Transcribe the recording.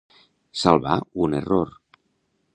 Salvar un error.